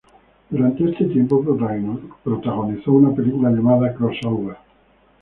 Durante este tiempo, protagonizó una película, llamada "Crossover".